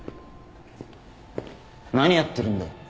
何やってるんだ！